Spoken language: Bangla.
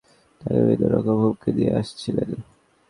চাঁদা দিতে অস্বীকার করায় যুবকেরা তাঁকে বিভিন্ন রকম হুমকি দিয়ে আসছিলেন।